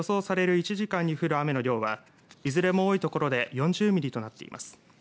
１時間に降る雨の量はいずれも多いところで４０ミリとなっています。